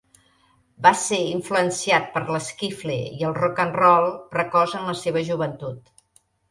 Va ser influenciat per l'esquifle i el rock and roll precoç en la seva joventut.